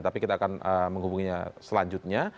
tapi kita akan menghubunginya selanjutnya